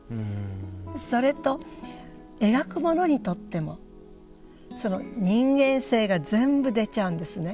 それと描く者にとってもその人間性が全部出ちゃうんですね。